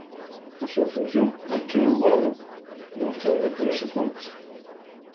A súa función é que o valo non fenda por ese corte.